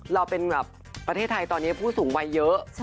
เราเป็นแบบประเทศไทยตอนนี้ผู้สูงวัยเยอะ